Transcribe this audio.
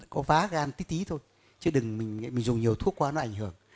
có vá gan tí tí thôi chứ đừng mình dùng nhiều thuốc qua nó ảnh hưởng